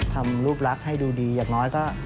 ทำรูปลักษณ์ให้ดูดีอย่างน้อยก็